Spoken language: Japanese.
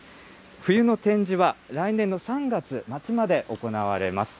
冬の展示は来年の３月末まで行われます。